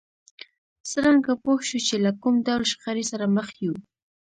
څرنګه پوه شو چې له کوم ډول شخړې سره مخ يو؟